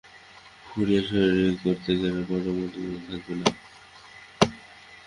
খুঁড়িয়ে শরিকি করতে গেলে পদমর্যাদা থাকবে না।